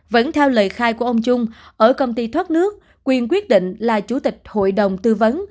vẫn theo lời khai của ông trung ở công ty thoát nước quyền quyết định là chủ tịch hội đồng tư vấn